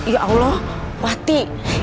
ya allah bu hati